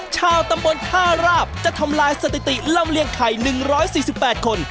ชาวตำบลท่าราบจะทำลายสถิติลำเลียงไข่๑๔๘คน